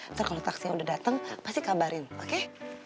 ntar kalau taksi udah dateng pasti kabarin oke